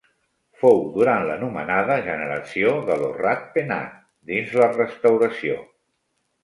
Fou durant l’anomenada generació de «Lo Rat Penat», dins la Restauració.